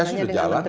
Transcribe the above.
koordinasi udah jalan